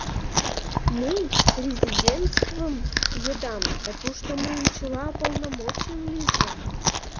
Мый резидентствым йодам да тушто мыйын чыла полномочием лийже...